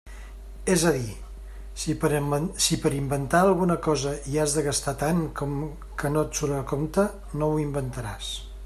És a dir, si per inventar alguna cosa hi has de gastar tant que no et surt a compte, no ho inventaràs.